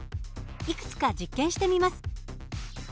いくつか実験してみます。